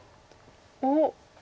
おっ！